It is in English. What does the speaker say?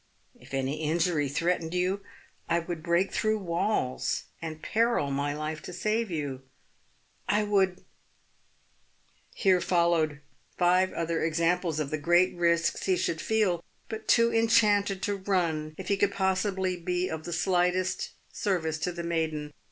If any injury threatened you, I would break through walls, and peril my life to save you. I would " (Here followed five other examples of the great risks he should feel but too enchanted to run if he could possibly be of the slightest service to the maiden.